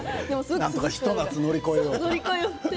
なんとかひと夏乗り越えようと。